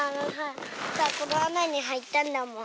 このあなにはいったんだもん。